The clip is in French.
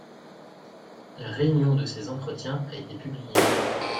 La réunion de ces entretiens a été publiée.